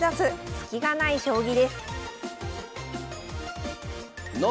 スキがない将棋」です